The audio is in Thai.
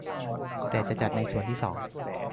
แต่จะจัดในส่วนที่สอง